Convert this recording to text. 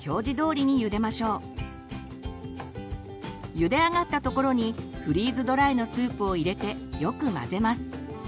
ゆで上がったところにフリーズドライのスープを入れてよく混ぜます。